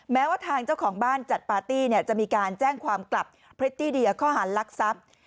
แม้ว่าทางเจ้าของบ้านจัดปาร์ตี้จะมีการแจ้งความกลับพริตตี้เดียข้อหารลักทรัพย์